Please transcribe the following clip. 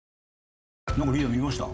なんかリーダー見ました？